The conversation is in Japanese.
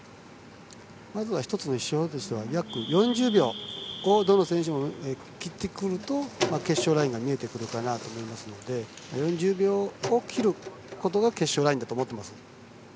まずは４０秒をどの選手も切ってくると決勝ラインが見えてくるかなと思いますので４０秒を切ることが決勝ラインだと思ってます。